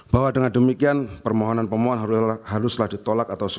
bahwa dengan demikian permohonan pemohon haruslah ditolak